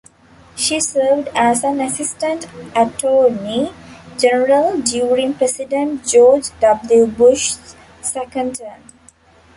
She served as an Assistant Attorney General during President George W. Bush's second term.